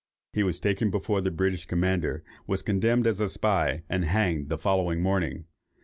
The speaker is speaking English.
He was taken before the British commander, was condemned as a spy, and hanged the following morning.